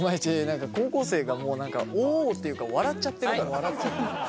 高校生がもう何かおおっていうか笑っちゃってるから。